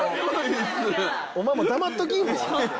お前もう黙っときもう。